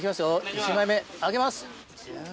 １枚目、開けます。